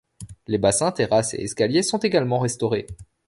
Les bassins, terrasses et escaliers sont également restaurés.